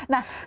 nah tapi ingat